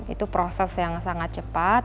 itu proses yang sangat cepat